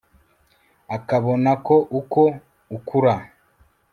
akabona, ko uko ukura